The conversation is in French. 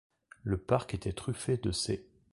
Le parc était truffé de ces '.